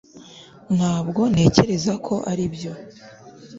ntabwo ntekereza ko aribyo